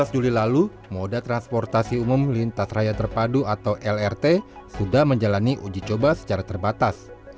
tujuh belas juli lalu moda transportasi umum lintas raya terpadu atau lrt sudah menjalani uji coba secara terbatas